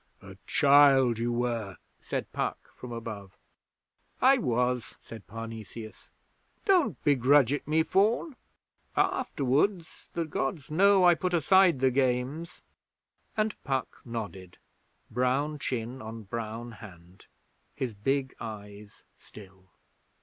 'A child you were!' said Puck, from above. 'I was,' said Parnesius. 'Don't begrudge it me, Faun. Afterwards the Gods know I put aside the games!' And Puck nodded, brown chin on brown hand, his big eyes still.